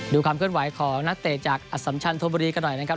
ความเคลื่อนไหวของนักเตะจากอสัมชันธมบุรีกันหน่อยนะครับ